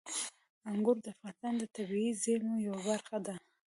انګور د افغانستان د طبیعي زیرمو یوه برخه ده.